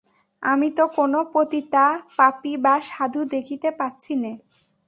আমি তো কোন পতিতা, পাপী বা সাধু দেখিতে পাচ্ছিনে।